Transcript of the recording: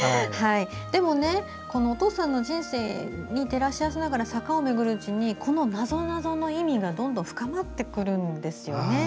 でも、お父さんの人生に照らし合わせながら坂を巡るうちにこのなぞなぞの意味がどんどん深まってくるんですよね。